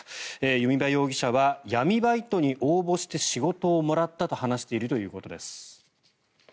弓場容疑者は闇バイトに応募して仕事をもらったと話しているということです。